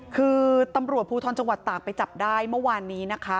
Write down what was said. คือตำรวจภูทรจังหวัดตากไปจับได้เมื่อวานนี้นะคะ